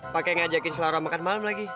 pakai ngajakin selera makan malam lagi